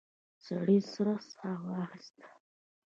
سړي سړه ساه واخیسته.